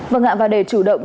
và ngạm vào đề chủ động